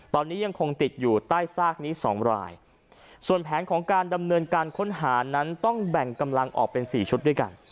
ตอนนี้ยังคงติดอยู่ใต้ซากนี้สองรายส่วนแผนของการดำเนินการค้นหานั้นต้องแบ่งกำลังออกเป็นสี่ชุดด้วยกัน